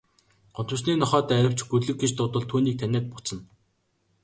Гудамжны нохой дайравч, гөлөг гэж дуудвал түүнийг таниад буцна.